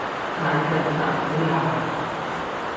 大石砸死蟹